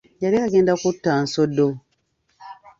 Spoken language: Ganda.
Yali agenda kutta Nsodo